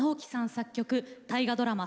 作曲大河ドラマ